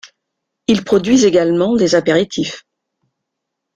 Ils produisent également des apéritifs.